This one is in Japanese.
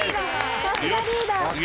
さすがリーダー！